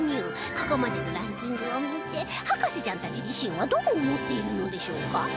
ここまでのランキングを見て博士ちゃんたち自身はどう思っているのでしょうか？